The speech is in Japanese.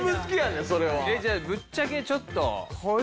じゃあぶっちゃけちょっと。